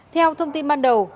theo thông tin ban đầu